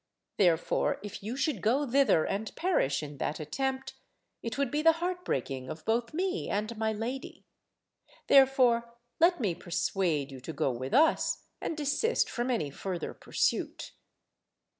Therefore, if you should go thither and perish in that attempt it would be the heartbreaking of both me and my lady. Therefore let me persuade you to go with us, and desist from any further pursuit."